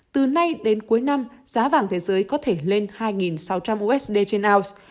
từ nay đến cuối năm giá vàng thế giới có thể lên hai sáu trăm linh usd trên ounce